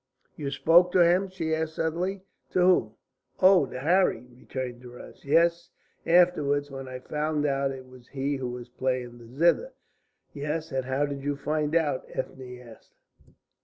"You spoke to him?" she asked suddenly. "To whom? Oh, to Harry?" returned Durrance. "Yes, afterwards, when I found out it was he who was playing the zither." "Yes, how did you find out?" Ethne asked.